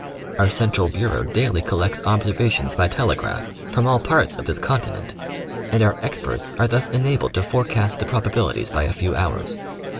Our Central Bureau daily collects observations by telegraph from all parts of this continent, and our experts are thus enabled to forecast the probabilities by a few hours.